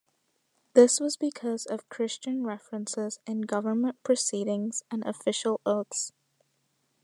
This was because of Christian references in government proceedings and official oaths.